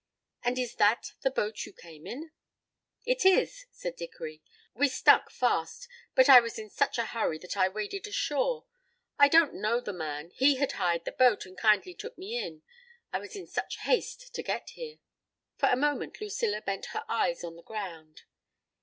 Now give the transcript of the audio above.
And is that the boat you came in?" "It is," said Dickory. "We stuck fast, but I was in such a hurry that I waded ashore. I don't know the man; he had hired the boat, and kindly took me in, I was in such haste to get here." For a moment Lucilla bent her eyes on the ground.